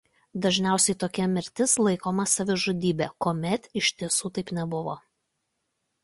Dažnai tokia mirtis laikoma savižudybe kuomet iš tiesų taip nebuvo.